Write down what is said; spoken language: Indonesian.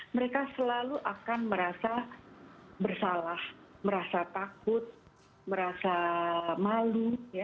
mereka selalu akan merasa bersalah merasa takut merasa malu